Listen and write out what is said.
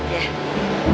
ya nanti mak